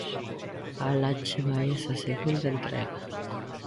Alá che vai esa segunda entrega.